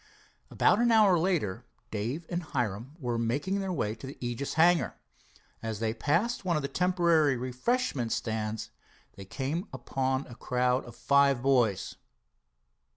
About an hour later Dave and Hiram were making their way to the Aegis hangar. As they passed one of the temporary refreshment stands they came upon a crowd of five boys.